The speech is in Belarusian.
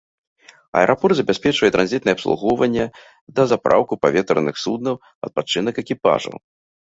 Аэрапорт забяспечвае транзітнае абслугоўванне, дазапраўку паветраных суднаў, адпачынак экіпажаў.